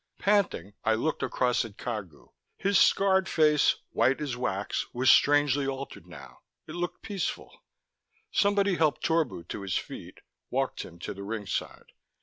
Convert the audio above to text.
Panting, I looked across at Cagu. His scarred face, white as wax, was strangely altered now; it looked peaceful. Somebody helped Torbu to his feet, walked him to the ring side.